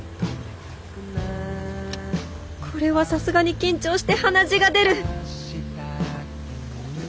これはさすがに緊張して鼻血が出る！